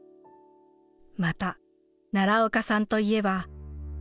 また奈良岡さんといえば。